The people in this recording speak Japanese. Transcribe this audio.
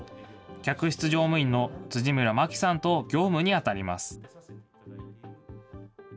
客室乗務員の辻村真希さんと業務に当たります。